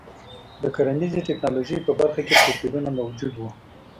د کرنیزې ټکنالوژۍ په برخه کې توپیرونه موجود وو.